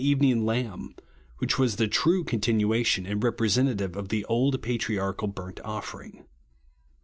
53 evening lamb, which was the true con tinuation and representative of the old patriarchal burnt offering.